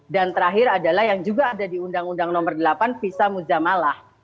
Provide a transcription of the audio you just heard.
dan terakhir adalah yang juga ada di undang undang nomor delapan visa muzamalah